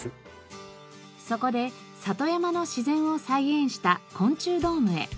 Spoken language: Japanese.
そこで里山の自然を再現した昆虫ドームへ。